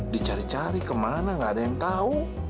dicari cari kemana nggak ada yang tahu